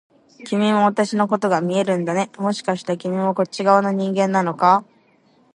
君も私のことが見えるんだね、もしかして君もこっち側の人間なのか？